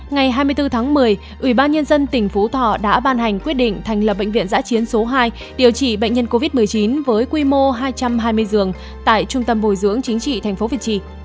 ngày hai mươi bốn tháng một mươi ubnd tỉnh phú thọ đã ban hành quyết định thành lập bệnh viện giã chiến số hai điều trị bệnh nhân covid một mươi chín với quy mô hai trăm hai mươi giường tại trung tâm bồi dưỡng chính trị tp việt trì